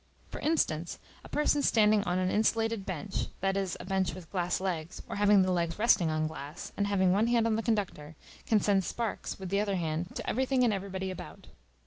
For instance: a person standing on an insulated bench, that is, a bench with glass legs, or having the legs resting on glass, and having one hand on the conductor, can send sparks, with the other hand, to everything and everybody about.